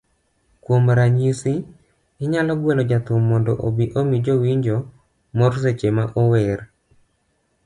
Kuom ranyisi, inyalo gwelo jathum mondo obi omi jowinjo mor seche ma ower